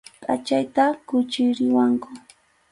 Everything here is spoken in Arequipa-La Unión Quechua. Pʼachayta quchiriwanku.